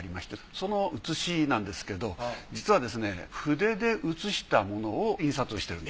その写しなんですけど実は筆で写したものを印刷してる。